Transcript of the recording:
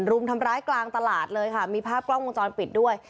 รุมทำร้ายกลางตลาดเลยค่ะมีภาพกล้องวงจรปิดด้วย